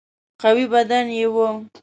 قوي بدن یې وو.